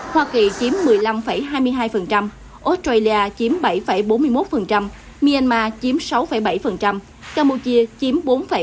hoa kỳ chiếm một mươi năm hai mươi hai australia chiếm bảy bốn mươi một myanmar chiếm sáu bảy campuchia chiếm bốn năm